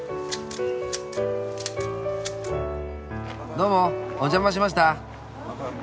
どうもお邪魔しました。